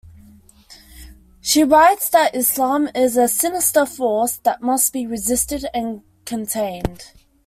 She writes that Islam is a "sinister force" that must be resisted and contained.